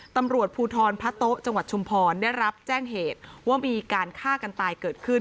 ตำรวจภูทรพระโต๊ะจังหวัดชุมพรได้รับแจ้งเหตุว่ามีการฆ่ากันตายเกิดขึ้น